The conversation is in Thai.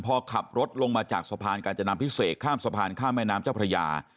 พอขับรถลงมาจากสะพานกาจนาพิเศษข้ามสะพานข้ามแม่น้ำเจ้าพระยา